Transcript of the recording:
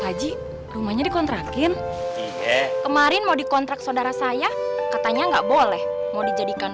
haji rumahnya dikontrakin kemarin mau dikontrak saudara saya katanya enggak boleh mau dijadikan